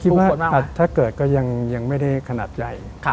แต่คิดว่าอาจถ้าเกิดก็ยังไม่ได้ขนาดใหญ่